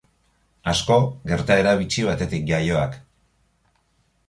Asko, gertaera bitxi batetik jaioak.